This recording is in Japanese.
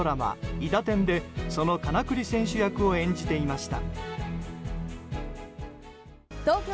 「いだてん」でその金栗選手役を演じていました。